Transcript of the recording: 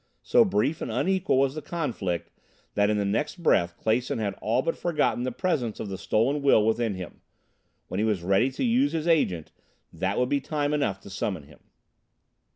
So brief and unequal was the conflict that in the next breath Clason had all but forgotten the presence of the stolen will within him. When he was ready to use his Agent, that would be time enough to summon him!